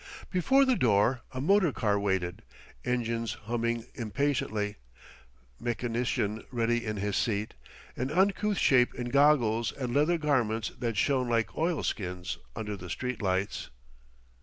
Before the door a motor car waited, engines humming impatiently, mechanician ready in his seat, an uncouth shape in goggles and leather garments that shone like oilskins under the street lights.